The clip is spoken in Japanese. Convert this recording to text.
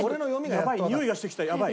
やばいにおいがしてきたやばい。